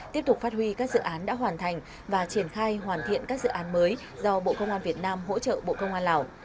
tiếp tục phát huy các dự án đã hoàn thành và triển khai hoàn thiện các dự án mới do bộ công an việt nam hỗ trợ bộ công an lào